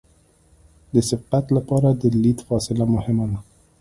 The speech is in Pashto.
د سبقت لپاره د لید فاصله مهمه ده